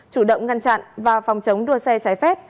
chủ động ngăn chặn và phòng chống đua xe trái phép